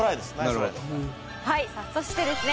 さあそしてですね